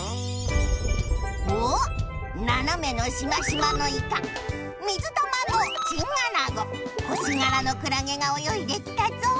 おっななめのしましまのイカ水玉のチンアナゴ星がらのクラゲがおよいできたぞ。